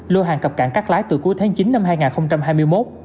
lô hàng cập cảng cắt lái từ cuối tháng chín năm hai nghìn hai mươi một